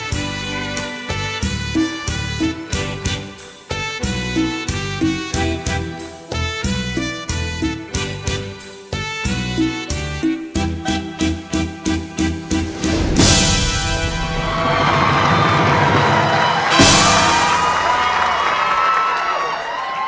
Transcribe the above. จอดลิ้นฝ่ารักขวะ